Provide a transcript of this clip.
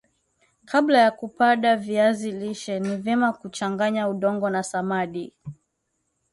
kabla ya kupada viazi lishe ni vyema kuchanganya udongo na samadi